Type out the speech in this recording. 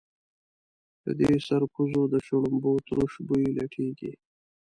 له دې سرکوزو د شړومبو تروش بوی لټېږي.